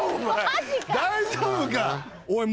大丈夫か？